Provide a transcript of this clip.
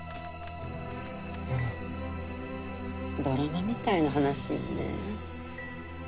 うんドラマみたいな話よね。